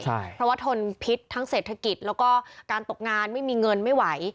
เพราะว่าทนพิษทั้งเศรษฐกิจแล้วก็การตกงานไม่มีเงินไม่ไหว